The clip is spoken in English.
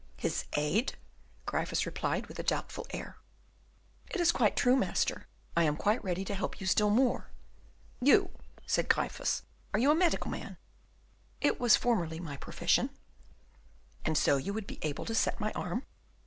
"His aid?" Gryphus replied, with a doubtful air. "It is quite true, master! I am quite ready to help you still more." "You!" said Gryphus, "are you a medical man?" "It was formerly my profession." "And so you would be able to set my arm?"